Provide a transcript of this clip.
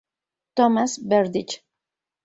Tomas Berdych.